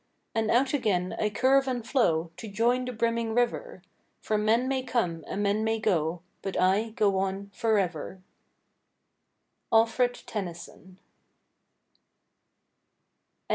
And out again I curve and flow To join the brimming river; For men may come and men may go, But I go on forever. —Alfred Tennyson.